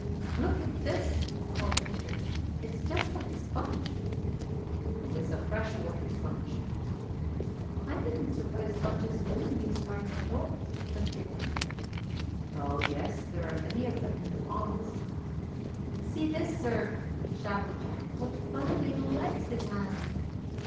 "Look at this," called Peter; "it's just like a sponge." "It is a fresh water sponge." "I didn't suppose sponges grew in these parts at all," said Jimmie. "Oh yes, there are many of them in the ponds." "See this, sir," shouted Jack; "what funny little legs it has!"